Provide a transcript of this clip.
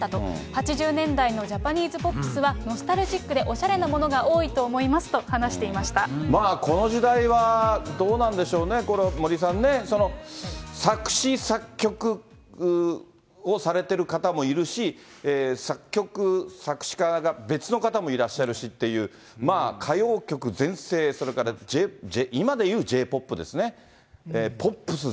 ８０年代のジャパニーズポップスは、ノスタルジックで、おしゃれなものが多いと思いますと話していままあ、この時代はどうなんでしょうね、これ、森さんね、作詞・作曲をされてる方もいるし、作曲、作詞家が別の方もいらっしゃるしっていう、まあ、歌謡曲全盛、それから今でいうＪ−ＰＯＰですね。